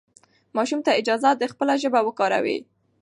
ماشوم ته اجازه ده خپله ژبه وکاروي.